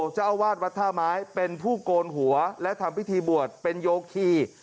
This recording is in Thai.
เจ้าอาวาสวัดท่าไม้เป็นผู้โกนหัวและทำพิธีบวชเป็นโยคี